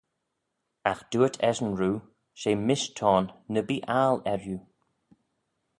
Agh dooyrt eshyn roo, She mish t'ayn, ny bee aggle erriu.